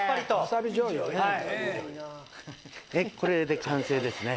でこれで完成ですね。